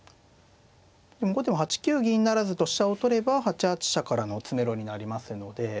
後手も８九銀不成と飛車を取れば８八飛車からの詰めろになりますので。